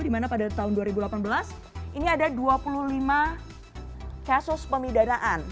dimana pada tahun dua ribu delapan belas ini ada dua puluh lima kasus pemidanaan